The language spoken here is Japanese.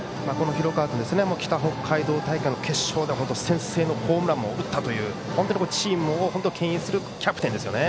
廣川君は北北海道大会の決勝では先制のホームランも打ったという本当にチームをけん引するキャプテンですね。